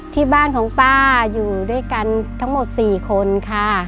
ที่บ้านของป้าอยู่ด้วยกันทั้งหมด๔คนค่ะ